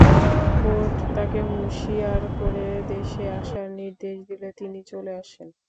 Board তাঁকে হুঁশিয়ার করে দেশে আসার নির্দেশ দিলে তিনি চলে আসেন।